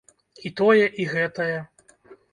І тое, і гэтае!